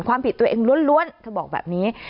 ความผิดตัวเองล้วนเธอบอกแบบนี้